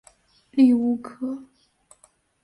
利乌克。